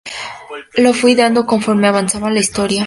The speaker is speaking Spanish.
Lo fui ideando conforme avanzaba la historia.